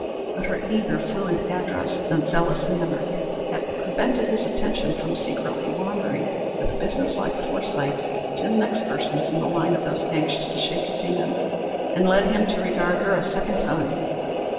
But her eager, fluent address and zealous manner had prevented his attention from secretly wandering with business like foresight to the next persons in the line of those anxious to shake his hand, and led him to regard her a second time.